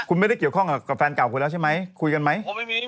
คุณไม่ได้เกี่ยวข้องกับแฟนเก่าคุณแล้วใช่ไหมคุยกันไหม